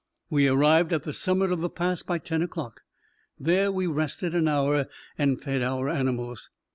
We arrived at the summit of the pass by ten o'clock. There we rested an hour and fed our animals.